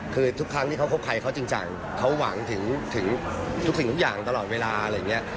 คือทุกครั้งที่เขาคบใครเขาจริงจังเขาหวังถึงทุกสิ่งทุกอย่างตลอดเวลาอะไรอย่างนี้